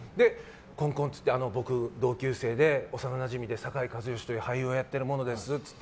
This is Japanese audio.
コンコンって僕、同級生で幼なじみで酒井一圭という俳優をやっているものですって。